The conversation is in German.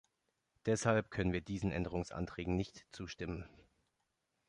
Deshalb können wir diesen Änderungsanträgen nicht zustimmen.